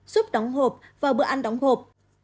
xúp đóng hộp và bữa ăn đóng hộp